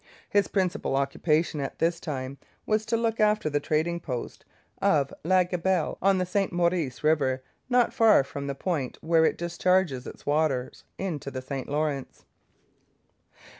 His principal occupation at this time was to look after the trading post of La Gabelle on the St Maurice river, not far from the point where it discharges its waters into the St Lawrence.